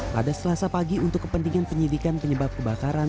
pada selasa pagi untuk kepentingan penyidikan penyebab kebakaran